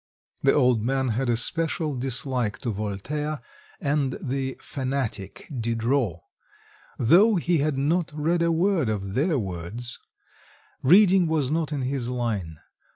The old man had a special dislike to Voltaire, and the "fanatic" Diderot, though he had not read a word of their words; reading was not in his line.